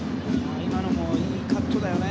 今のもいいカットだよね。